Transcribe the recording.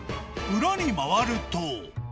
裏に回ると。